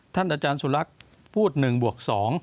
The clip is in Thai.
อาจารย์สุรักษ์พูด๑บวก๒